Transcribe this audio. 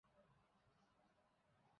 তিনি সবেমাত্র স্কুলে পড়াশোনা করতেন।